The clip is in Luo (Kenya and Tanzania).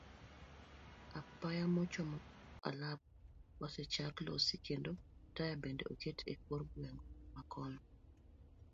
Apaya mochomo alap osechak losi kendo taya bende oket e kor gwenge makono.